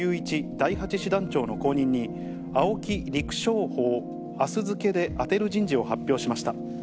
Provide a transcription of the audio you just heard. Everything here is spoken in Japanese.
第８師団長の後任に、青木陸将補をあす付けで充てる人事を発表しました。